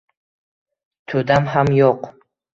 To‘dam ham yo‘q.